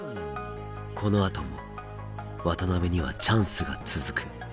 このあとも渡辺にはチャンスが続く。